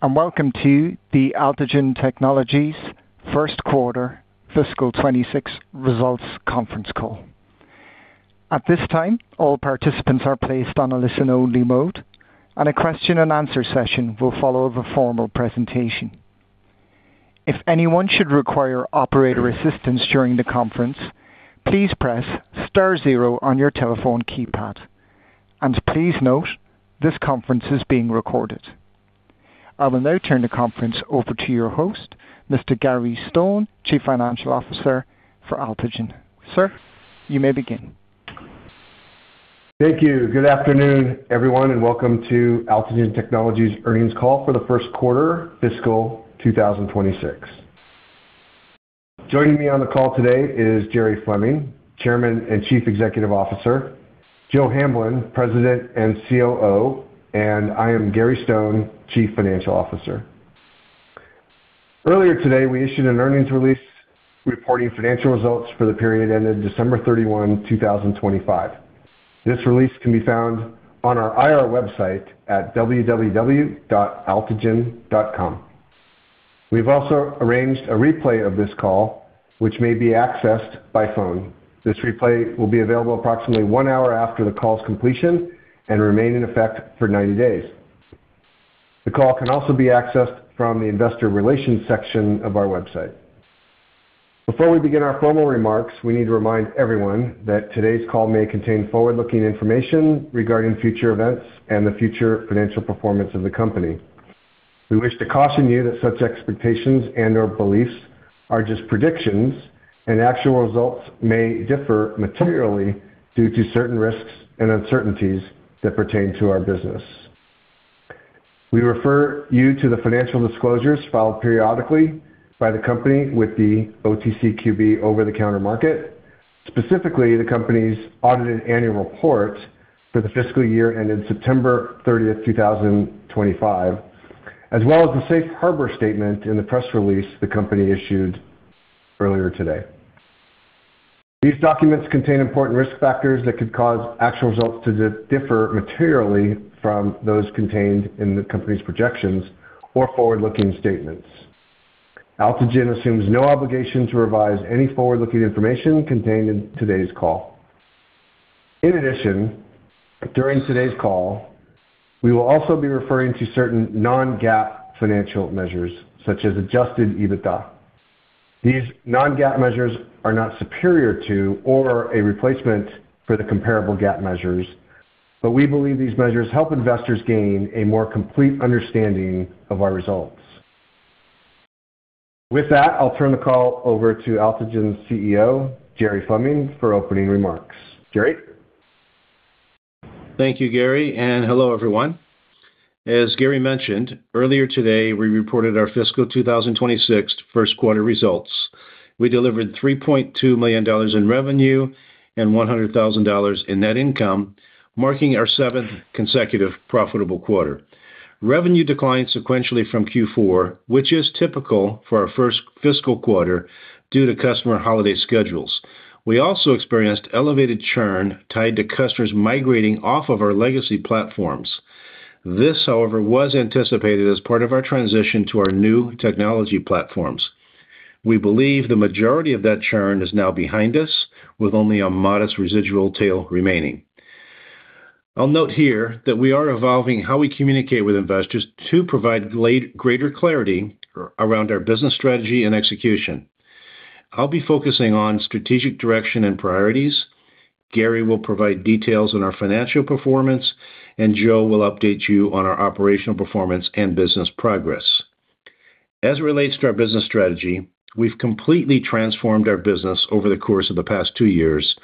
And welcome to the Altigen Technologies first quarter fiscal 2026 results conference call. At this time, all participants are placed on a listen-only mode, and a question-and-answer session will follow the formal presentation. If anyone should require operator assistance during the conference, please press star zero on your telephone keypad. And please note, this conference is being recorded. I will now turn the conference over to your host, Mr. Gary Stone, Chief Financial Officer for Altigen. Sir, you may begin. Thank you. Good afternoon, everyone, and welcome to Altigen Technologies' earnings call for the first quarter fiscal 2026. Joining me on the call today is Jerry Fleming, Chairman and Chief Executive Officer, Joe Hamblin, President and COO, and I am Gary Stone, Chief Financial Officer. Earlier today, we issued an earnings release reporting financial results for the period ended December 31, 2025. This release can be found on our IR website at www.altigen.com. We've also arranged a replay of this call, which may be accessed by phone. This replay will be available approximately one hour after the call's completion and remain in effect for 90 days. The call can also be accessed from the investor relations section of our website. Before we begin our formal remarks, we need to remind everyone that today's call may contain forward-looking information regarding future events and the future financial performance of the company. We wish to caution you that such expectations and/or beliefs are just predictions, and actual results may differ materially due to certain risks and uncertainties that pertain to our business. We refer you to the financial disclosures filed periodically by the company with the OTCQB over-the-counter market, specifically the company's audited annual report for the fiscal year ended September 30, 2025, as well as the safe harbor statement in the press release the company issued earlier today. These documents contain important risk factors that could cause actual results to differ materially from those contained in the company's projections or forward-looking statements. Altigen assumes no obligation to revise any forward-looking information contained in today's call. In addition, during today's call, we will also be referring to certain non-GAAP financial measures, such as Adjusted EBITDA. These non-GAAP measures are not superior to or a replacement for the comparable GAAP measures, but we believe these measures help investors gain a more complete understanding of our results. With that, I'll turn the call over to Altigen's CEO, Jerry Fleming, for opening remarks. Jerry? Thank you, Gary, and hello, everyone. As Gary mentioned, earlier today, we reported our fiscal 2026 first quarter results. We delivered $3.2 million in revenue and $100,000 in net income, marking our seventh consecutive profitable quarter. Revenue declined sequentially from Q4, which is typical for our first fiscal quarter due to customer holiday schedules. We also experienced elevated churn tied to customers migrating off of our legacy platforms. This, however, was anticipated as part of our transition to our new technology platforms. We believe the majority of that churn is now behind us, with only a modest residual tail remaining. I'll note here that we are evolving how we communicate with investors to provide greater clarity around our business strategy and execution. I'll be focusing on strategic direction and priorities. Gary will provide details on our financial performance, and Joe will update you on our operational performance and business progress. As it relates to our business strategy, we've completely transformed our business over the course of the past two years,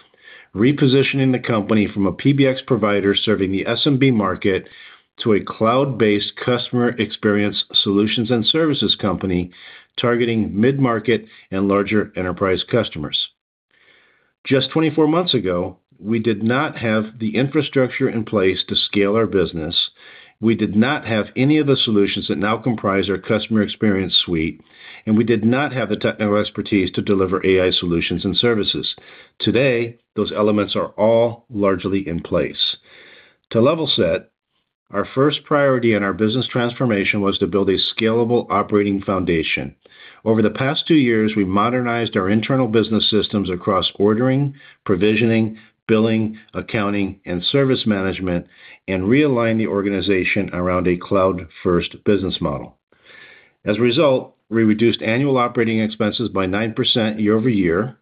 repositioning the company from a PBX provider serving the SMB market to a cloud-based customer experience solutions and services company targeting mid-market and larger enterprise customers. Just 24 months ago, we did not have the infrastructure in place to scale our business. We did not have any of the solutions that now comprise our customer experience suite, and we did not have the technical expertise to deliver AI solutions and services. Today, those elements are all largely in place. To level set, our first priority in our business transformation was to build a scalable operating foundation. Over the past two years, we modernized our internal business systems across ordering, provisioning, billing, accounting, and service management, and realigned the organization around a cloud-first business model. As a result, we reduced annual operating expenses by 9% year-over-year.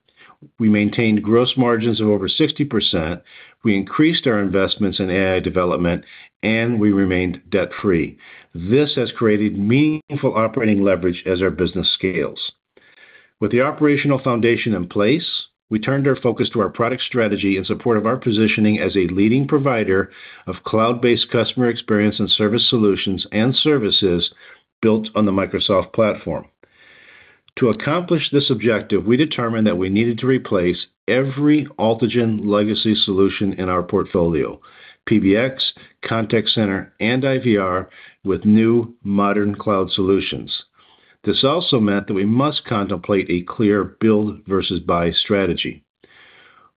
We maintained gross margins of over 60%. We increased our investments in AI development, and we remained debt-free. This has created meaningful operating leverage as our business scales. With the operational foundation in place, we turned our focus to our product strategy in support of our positioning as a leading provider of cloud-based customer experience and service solutions and services built on the Microsoft platform. To accomplish this objective, we determined that we needed to replace every Altigen legacy solution in our portfolio. PBX, Contact Center, and IVR with new, modern cloud solutions. This also meant that we must contemplate a clear build versus buy strategy.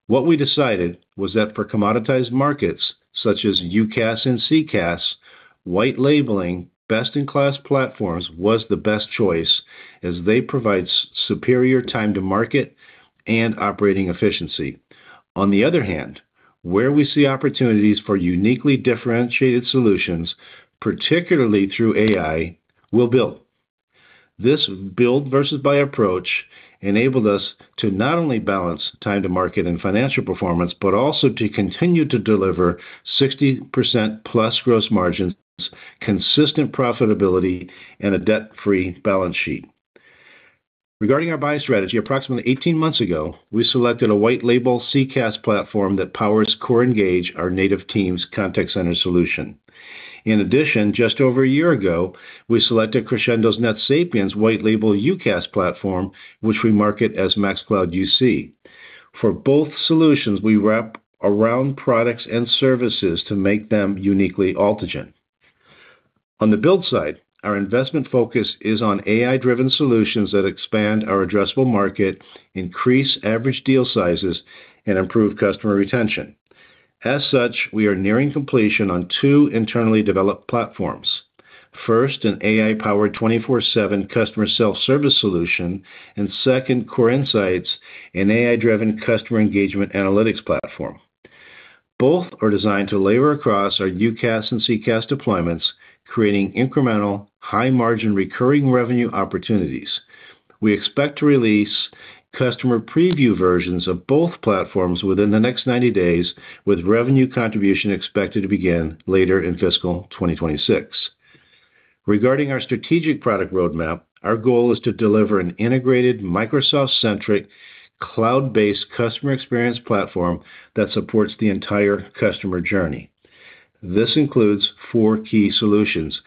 What we decided was that for commoditized markets such as UCaaS and CCaaS, white labeling, best-in-class platforms was the best choice as they provide superior time-to-market and operating efficiency. On the other hand, where we see opportunities for uniquely differentiated solutions, particularly through AI, we'll build. This build versus buy approach enabled us to not only balance time-to-market and financial performance but also to continue to deliver 60%+ gross margins, consistent profitability, and a debt-free balance sheet. Regarding our buy strategy, approximately 18 months ago, we selected a white label CCaaS platform that powers CoreEngage, our native Teams Contact Center solution. In addition, just over a year ago, we selected Crexendo's NetSapiens white label UCaaS platform, which we market as MaxCloud UC. For both solutions, we wrap around products and services to make them uniquely Altigen. On the build side, our investment focus is on AI-driven solutions that expand our addressable market, increase average deal sizes, and improve customer retention. As such, we are nearing completion on two internally developed platforms. First, an AI-powered 24/7 customer self-service solution, and second, Core Insights, an AI-driven customer engagement analytics platform. Both are designed to layer across our UCaaS and CCaaS deployments, creating incremental, high-margin recurring revenue opportunities. We expect to release customer preview versions of both platforms within the next 90 days, with revenue contribution expected to begin later in fiscal 2026. Regarding our strategic product roadmap, our goal is to deliver an integrated, Microsoft-centric, cloud-based customer experience platform that supports the entire customer journey. This includes four key solutions.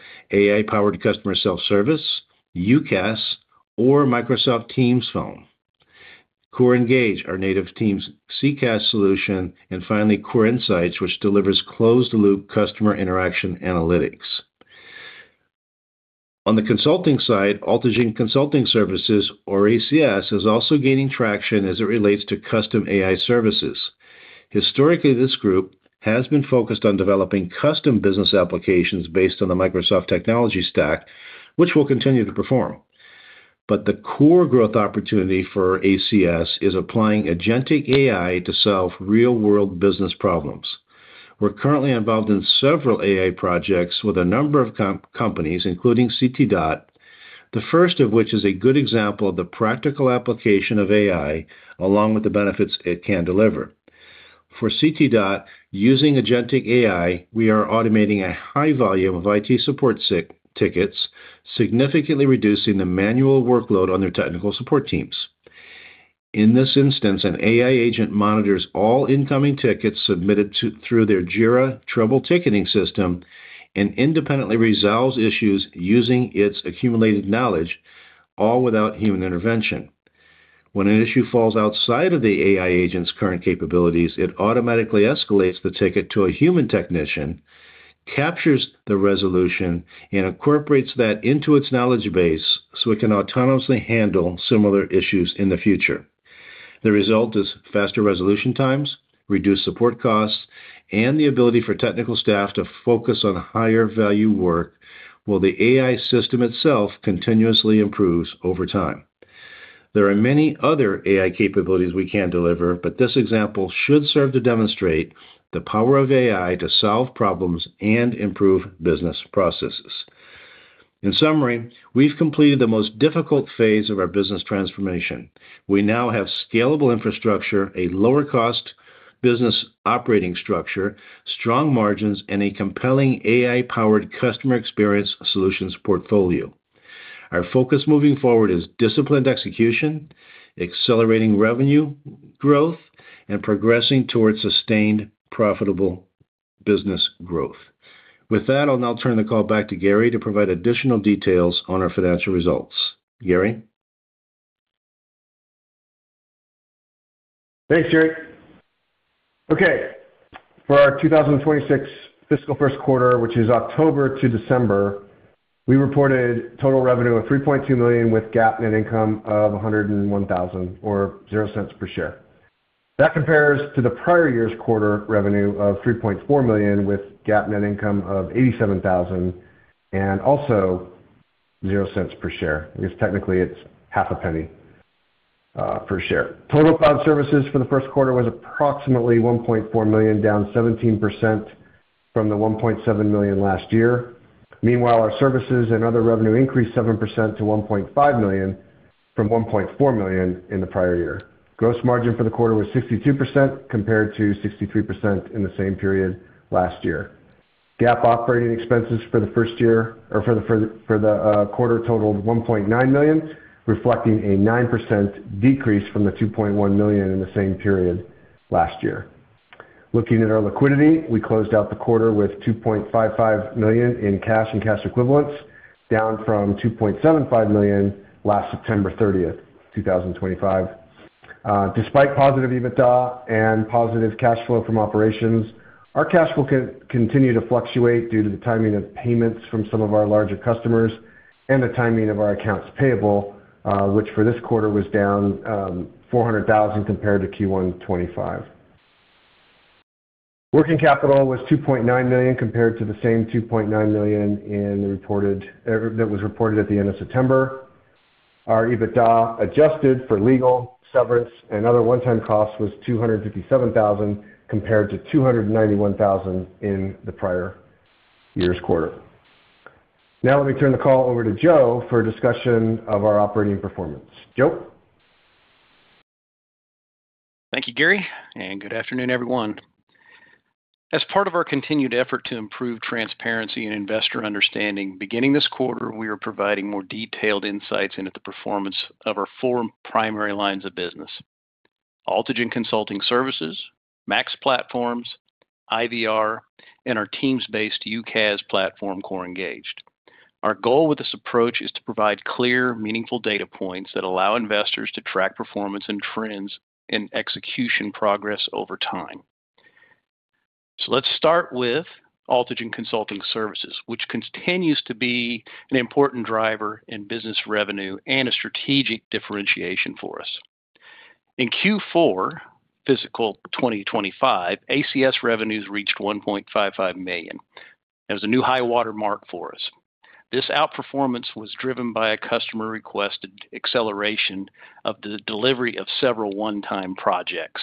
AI-powered customer self-service, UCaaS, or Microsoft Teams Phone. CoreEngage, our native Teams CCaaS solution, and finally, Core Insights, which delivers closed-loop customer interaction analytics. On the consulting side, Altigen Consulting Services, or ACS, is also gaining traction as it relates to custom AI services. Historically, this group has been focused on developing custom business applications based on the Microsoft technology stack, which will continue to perform. But the core growth opportunity for ACS is applying agentic AI to solve real-world business problems. We're currently involved in several AI projects with a number of companies, including CTDOT, the first of which is a good example of the practical application of AI along with the benefits it can deliver. For CTDOT, using agentic AI, we are automating a high volume of IT support tickets, significantly reducing the manual workload on their technical support teams. In this instance, an AI agent monitors all incoming tickets submitted through their Jira trouble-ticketing system and independently resolves issues using its accumulated knowledge, all without human intervention. When an issue falls outside of the AI agent's current capabilities, it automatically escalates the ticket to a human technician, captures the resolution, and incorporates that into its knowledge base so it can autonomously handle similar issues in the future. The result is faster resolution times, reduced support costs, and the ability for technical staff to focus on higher-value work while the AI system itself continuously improves over time. There are many other AI capabilities we can deliver, but this example should serve to demonstrate the power of AI to solve problems and improve business processes. In summary, we've completed the most difficult phase of our business transformation. We now have scalable infrastructure, a lower-cost business operating structure, strong margins, and a compelling AI-powered customer experience solutions portfolio. Our focus moving forward is disciplined execution, accelerating revenue growth, and progressing towards sustained, profitable business growth. With that, I'll now turn the call back to Gary to provide additional details on our financial results. Gary? Thanks, Jerry. Okay. For our 2026 fiscal first quarter, which is October to December, we reported total revenue of $3.2 million with GAAP net income of $101,000 or $0.00 per share. That compares to the prior year's quarter revenue of $3.4 million with GAAP net income of $87,000 and also $0.00 per share. I guess technically, it's $0.005 per share. Total cloud services for the first quarter was approximately $1.4 million, down 17% from the $1.7 million last year. Meanwhile, our services and other revenue increased 7% to $1.5 million from $1.4 million in the prior year. Gross margin for the quarter was 62% compared to 63% in the same period last year. GAAP operating expenses for the first year or for the quarter totaled $1.9 million, reflecting a 9% decrease from the $2.1 million in the same period last year. Looking at our liquidity, we closed out the quarter with $2.55 million in cash and cash equivalents, down from $2.75 million last September 30, 2025. Despite positive EBITDA and positive cash flow from operations, our cash flow continued to fluctuate due to the timing of payments from some of our larger customers and the timing of our accounts payable, which for this quarter was down $400,000 compared to Q1 2025. Working capital was $2.9 million compared to the same $2.9 million that was reported at the end of September. Our EBITDA adjusted for legal, severance, and other one-time costs was $257,000 compared to $291,000 in the prior year's quarter. Now, let me turn the call over to Joe for a discussion of our operating performance. Joe? Thank you, Gary, and good afternoon, everyone. As part of our continued effort to improve transparency and investor understanding, beginning this quarter, we are providing more detailed insights into the performance of our four primary lines of business. Altigen Consulting Services, Max Platforms, IVR, and our Teams-based UCaaS platform, CoreEngage. Our goal with this approach is to provide clear, meaningful data points that allow investors to track performance and trends in execution progress over time. Let's start with Altigen Consulting Services, which continues to be an important driver in business revenue and a strategic differentiation for us. In Q4 fiscal 2025, ACS revenues reached $1.55 million. That was a new high-water mark for us. This outperformance was driven by a customer-requested acceleration of the delivery of several one-time projects.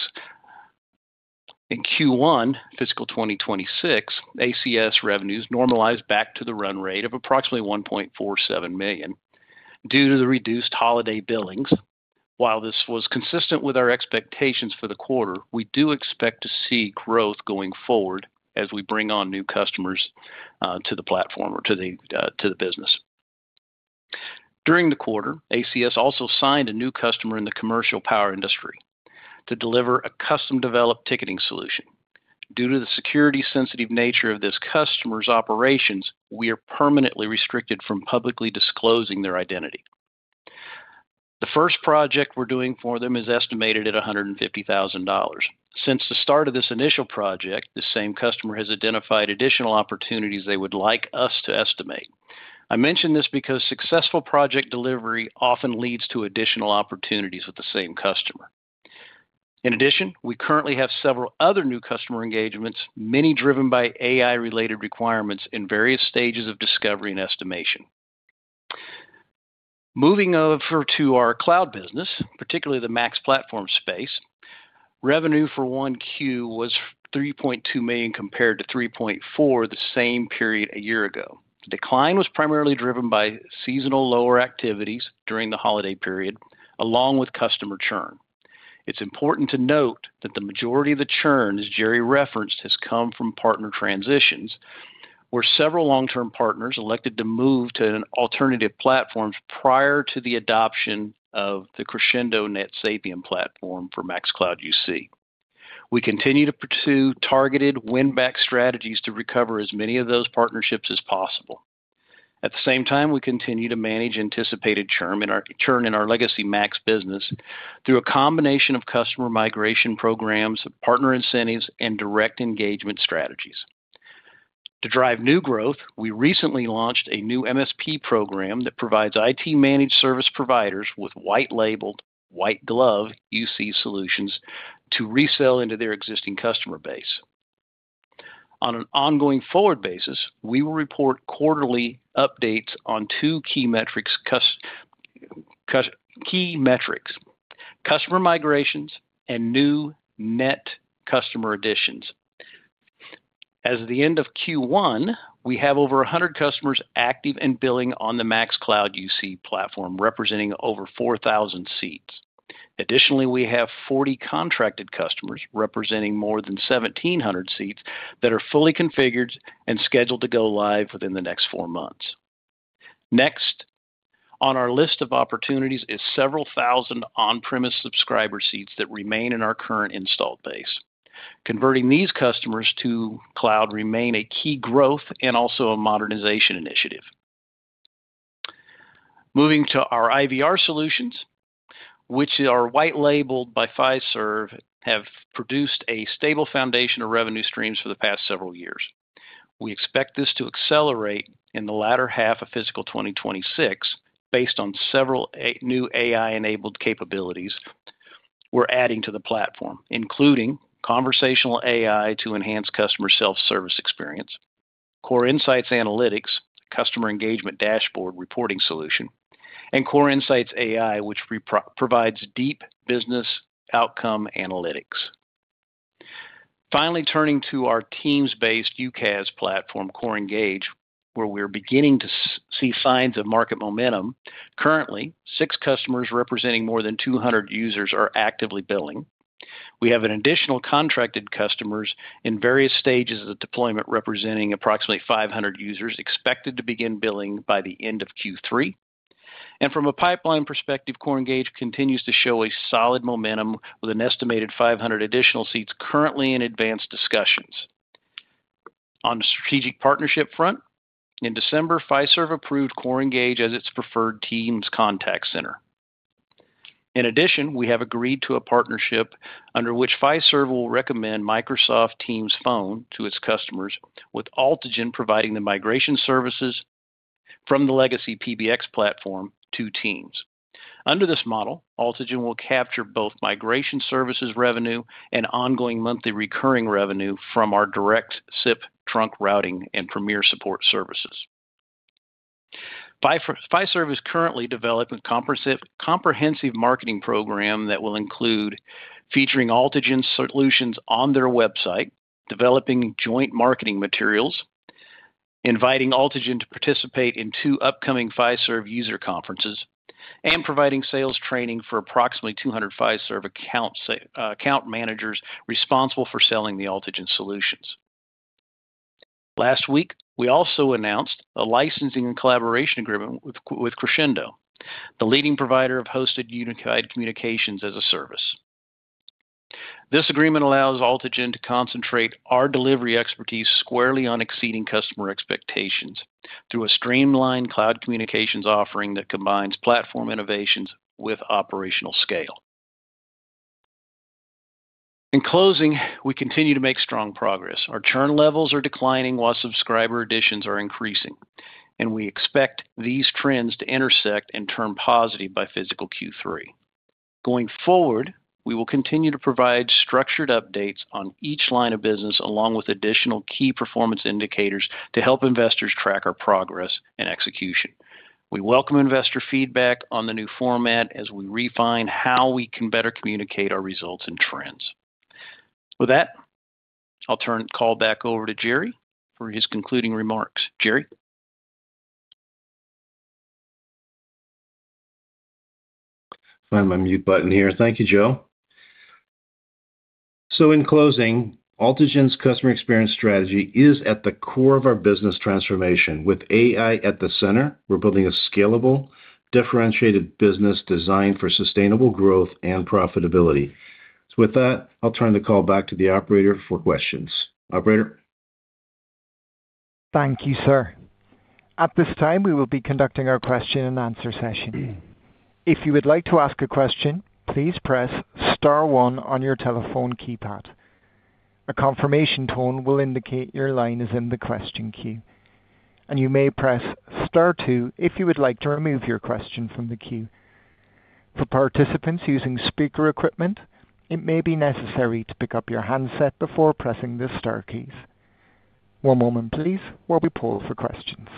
In Q1 fiscal 2026, ACS revenues normalized back to the run rate of approximately $1.47 million due to the reduced holiday billings. While this was consistent with our expectations for the quarter, we do expect to see growth going forward as we bring on new customers to the platform or to the business. During the quarter, ACS also signed a new customer in the commercial power industry to deliver a custom-developed ticketing solution. Due to the security-sensitive nature of this customer's operations, we are permanently restricted from publicly disclosing their identity. The first project we're doing for them is estimated at $150,000. Since the start of this initial project, this same customer has identified additional opportunities they would like us to estimate. I mention this because successful project delivery often leads to additional opportunities with the same customer. In addition, we currently have several other new customer engagements, many driven by AI-related requirements in various stages of discovery and estimation. Moving over to our cloud business, particularly the Max Platforms space, revenue for Q1 was $3.2 million compared to $3.4 million the same period a year ago. The decline was primarily driven by seasonal lower activities during the holiday period, along with customer churn. It's important to note that the majority of the churn as Jerry referenced has come from partner transitions, where several long-term partners elected to move to an alternative platform prior to the adoption of the Crexendo NetSapiens platform for MaxCloud UC. We continue to pursue targeted, win-back strategies to recover as many of those partnerships as possible. At the same time, we continue to manage anticipated churn in our legacy Max business through a combination of customer migration programs, partner incentives, and direct engagement strategies. To drive new growth, we recently launched a new MSP program that provides IT-managed service providers with white-labeled, white-glove UC solutions to resell into their existing customer base. On an ongoing forward basis, we will report quarterly updates on two key metrics, customer migrations and new net customer additions. As of the end of Q1, we have over 100 customers active and billing on the MaxCloud UC platform, representing over 4,000 seats. Additionally, we have 40 contracted customers representing more than 1,700 seats that are fully configured and scheduled to go live within the next four months. Next on our list of opportunities is several thousand on-premise subscriber seats that remain in our current installed base. Converting these customers to cloud remains a key growth and also a modernization initiative. Moving to our IVR solutions, which are white-labeled by Fiserv, have produced a stable foundation of revenue streams for the past several years. We expect this to accelerate in the latter half of fiscal 2026 based on several new AI-enabled capabilities we're adding to the platform, including conversational AI to enhance customer self-service experience, Core Insights Analytics, a customer engagement dashboard reporting solution, and Core Insights AI, which provides deep business outcome analytics. Finally, turning to our Teams-based UCaaS platform, CoreEngage, where we're beginning to see signs of market momentum. Currently, six customers representing more than 200 users are actively billing. We have additional contracted customers in various stages of the deployment representing approximately 500 users expected to begin billing by the end of Q3. From a pipeline perspective, CoreEngage continues to show a solid momentum with an estimated 500 additional seats currently in advanced discussions. On the strategic partnership front, in December, Fiserv approved CoreEngage as its preferred Teams Contact Center. In addition, we have agreed to a partnership under which Fiserv will recommend Microsoft Teams Phone to its customers, with Altigen providing the migration services from the legacy PBX platform to Teams. Under this model, Altigen will capture both migration services revenue and ongoing monthly recurring revenue from our direct SIP trunk routing and premier support services. Fiserv is currently developing a comprehensive marketing program that will include featuring Altigen solutions on their website, developing joint marketing materials, inviting Altigen to participate in two upcoming Fiserv user conferences, and providing sales training for approximately 200 Fiserv account managers responsible for selling the Altigen solutions. Last week, we also announced a licensing and collaboration agreement with Crexendo, the leading provider of hosted unified communications as a service. This agreement allows Altigen to concentrate our delivery expertise squarely on exceeding customer expectations through a streamlined cloud communications offering that combines platform innovations with operational scale. In closing, we continue to make strong progress. Our churn levels are declining while subscriber additions are increasing, and we expect these trends to intersect and turn positive by fiscal Q3. Going forward, we will continue to provide structured updates on each line of business along with additional key performance indicators to help investors track our progress and execution. We welcome investor feedback on the new format as we refine how we can better communicate our results and trends. With that, I'll call back over to Jerry for his concluding remarks. Jerry? Find my mute button here. Thank you, Joe. So in closing, Altigen's customer experience strategy is at the core of our business transformation. With AI at the center, we're building a scalable, differentiated business designed for sustainable growth and profitability. So with that, I'll turn the call back to the operator for questions. Operator? Thank you, sir. At this time, we will be conducting our question-and-answer session. If you would like to ask a question, please press star one on your telephone keypad. A confirmation tone will indicate your line is in the question queue, and you may press star two if you would like to remove your question from the queue. For participants using speaker equipment, it may be necessary to pick up your handset before pressing the star keys. One moment, please, while we pull for questions.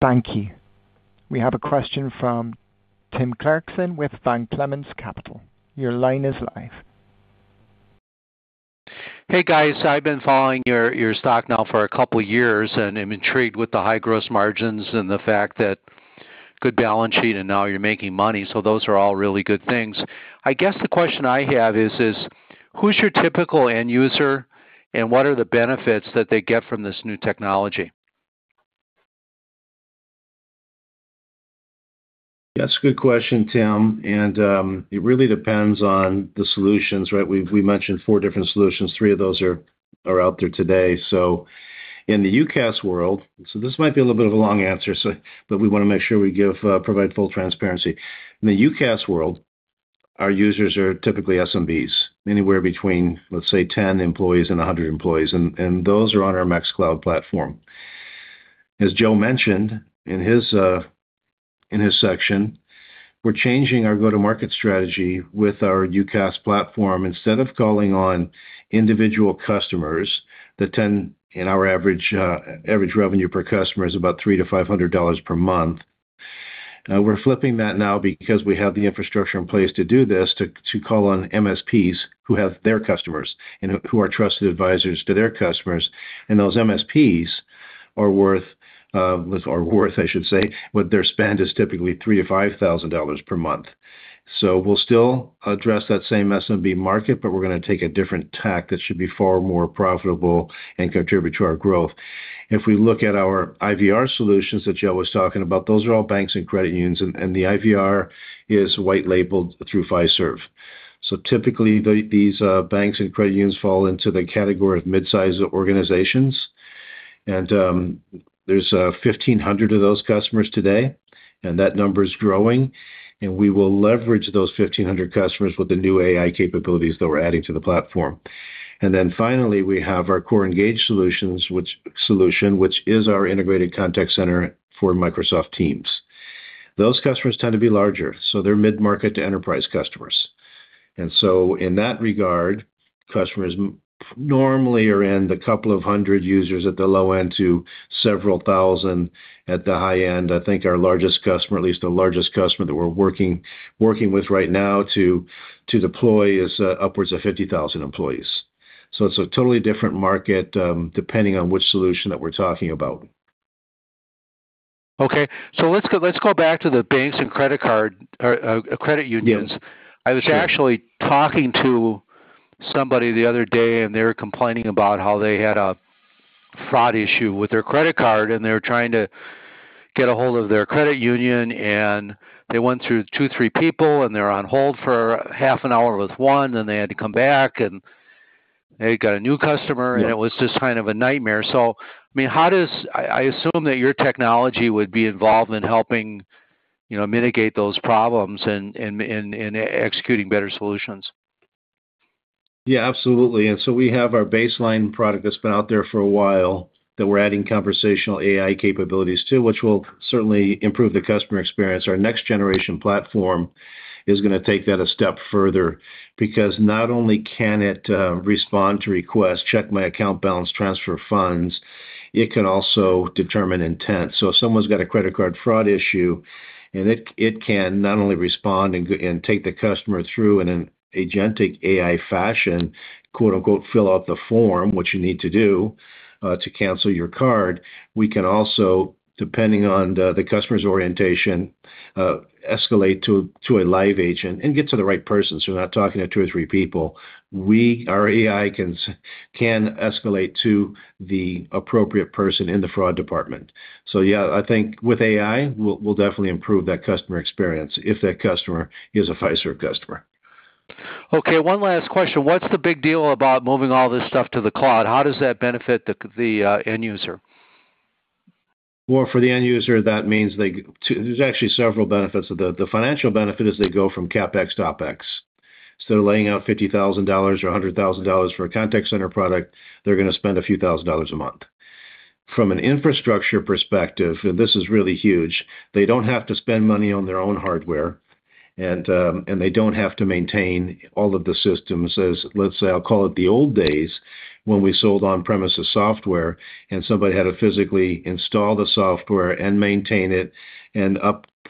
Thank you. We have a question from Tim Clarkson with Van Clemens Capital. Your line is live. Hey, guys. I've been following your stock now for a couple of years and am intrigued with the high gross margins and the fact that good balance sheet, and now you're making money. So those are all really good things. I guess the question I have is, who's your typical end user, and what are the benefits that they get from this new technology? That's a good question, Tim. And it really depends on the solutions, right? We mentioned four different solutions. Three of those are out there today. So in the UCaaS world so this might be a little bit of a long answer, but we want to make sure we provide full transparency. In the UCaaS world, our users are typically SMBs, anywhere between, let's say, 10 employees and 100 employees. And those are on our MaxCloud platform. As Joe mentioned in his section, we're changing our go-to-market strategy with our UCaaS platform instead of calling on individual customers that tend in our average revenue per customer is about $300-$500 per month. We're flipping that now because we have the infrastructure in place to do this, to call on MSPs who have their customers and who are trusted advisors to their customers. Those MSPs are worth, I should say, what their spend is typically $3,000-$5,000 per month. We'll still address that same SMB market, but we're going to take a different tack that should be far more profitable and contribute to our growth. If we look at our IVR solutions that Joe was talking about, those are all banks and credit unions, and the IVR is white-labeled through Fiserv. Typically, these banks and credit unions fall into the category of midsize organizations. There's 1,500 of those customers today, and that number is growing. We will leverage those 1,500 customers with the new AI capabilities that we're adding to the platform. Finally, we have our CoreEngage solution, which is our integrated contact center for Microsoft Teams. Those customers tend to be larger, so they're mid-market to enterprise customers. In that regard, customers normally are in the couple of hundred users at the low end to several thousand at the high end. I think our largest customer, at least the largest customer that we're working with right now to deploy, is upwards of 50,000 employees. It's a totally different market depending on which solution that we're talking about. Okay. So let's go back to the banks and credit unions. I was actually talking to somebody the other day, and they were complaining about how they had a fraud issue with their credit card, and they were trying to get a hold of their credit union. And they went through 2, 3 people, and they were on hold for half an hour with one, and then they had to come back, and they got a new customer, and it was just kind of a nightmare. So I mean, I assume that your technology would be involved in helping mitigate those problems and executing better solutions. Yeah, absolutely. And so we have our baseline product that's been out there for a while that we're adding conversational AI capabilities to, which will certainly improve the customer experience. Our next-generation platform is going to take that a step further because not only can it respond to requests, check my account balance, transfer funds, it can also determine intent. So if someone's got a credit card fraud issue, and it can not only respond and take the customer through in an agentic AI fashion, "fill out the form," which you need to do to cancel your card, we can also, depending on the customer's orientation, escalate to a live agent and get to the right person. So we're not talking to two or three people. Our AI can escalate to the appropriate person in the fraud department. So yeah, I think with AI, we'll definitely improve that customer experience if that customer is a Fiserv customer. Okay. One last question. What's the big deal about moving all this stuff to the cloud? How does that benefit the end user? Well, for the end user, that means there's actually several benefits. The financial benefit is they go from CapEx, OpEx. Instead of laying out $50,000 or $100,000 for a contact center product, they're going to spend a few thousand dollars a month. From an infrastructure perspective, and this is really huge, they don't have to spend money on their own hardware, and they don't have to maintain all of the systems as, let's say, I'll call it the old days when we sold on-premises software, and somebody had to physically install the software and maintain it and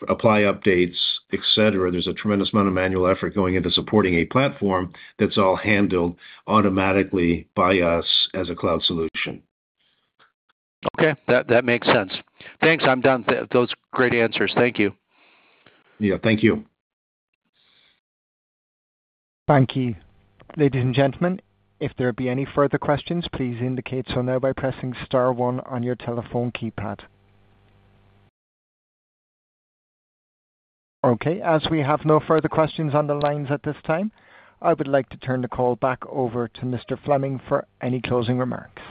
apply updates, etc. There's a tremendous amount of manual effort going into supporting a platform that's all handled automatically by us as a cloud solution. Okay. That makes sense. Thanks. I'm done. Those great answers. Thank you. Yeah. Thank you. Thank you, ladies and gentlemen. If there would be any further questions, please indicate so now by pressing star one on your telephone keypad. Okay. As we have no further questions on the lines at this time, I would like to turn the call back over to Mr. Fleming for any closing remarks.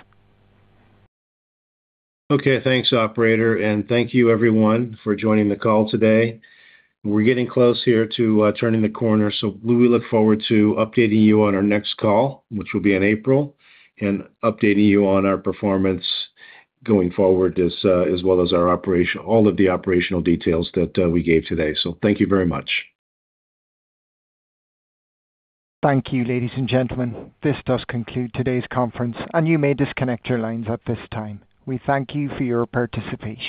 Okay. Thanks, operator. Thank you, everyone, for joining the call today. We're getting close here to turning the corner, so we look forward to updating you on our next call, which will be in April, and updating you on our performance going forward as well as all of the operational details that we gave today. Thank you very much. Thank you, ladies and gentlemen. This does conclude today's conference, and you may disconnect your lines at this time. We thank you for your participation.